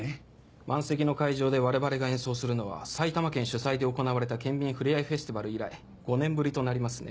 満席の会場で我々が演奏するのは埼玉県主催で行われた県民ふれあいフェスティバル以来５年ぶりとなりますね。